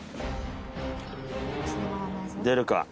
出るか？